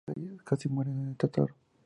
Annabeth y Percy casi mueren en el Tártaro.